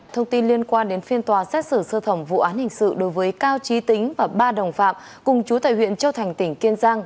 thông tin liên quan đến phiên tòa xét xử sơ thẩm vụ án hình sự đối với cao trí tính và ba đồng phạm cùng chú tại huyện châu thành tỉnh kiên giang